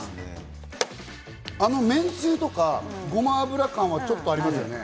めんつゆとか、ごま油感はちょっとありますね。